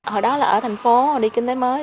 hồi đó là ở thành phố đi kinh tế mới